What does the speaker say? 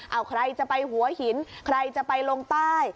เอาใครจะไปหัวหินใครจะไปลงใต้